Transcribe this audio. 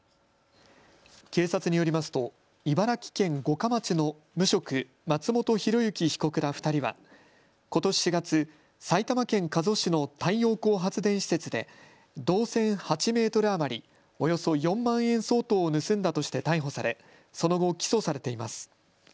警察によりますと茨城県五霞町の無職、松本広幸被告ら２人はことし４月埼玉県加須市の太陽光発電施設で銅線８メートル余りおよそ４万円相当を盗んだとして逮捕されその後起訴されています。